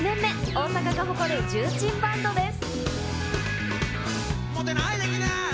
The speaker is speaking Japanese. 大阪が誇る重鎮バンドです。